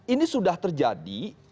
ini sudah terjadi